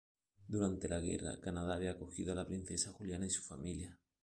Durante la guerra, Canadá había acogido a la princesa Juliana y su familia.